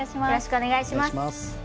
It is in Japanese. よろしくお願いします。